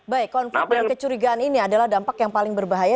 baik konflik dan kecurigaan ini adalah dampak yang paling berbahaya